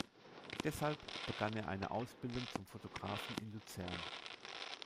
Deshalb begann er eine Ausbildung zum Fotografen in Luzern.